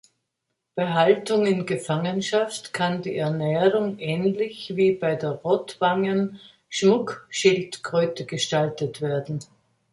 Bei Haltung in Gefangenschaft kann die Ernährung ähnlich wie bei der Rotwangen-Schmuckschildkröte gestaltet werden.